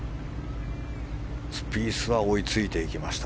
スピースは追いついていきました。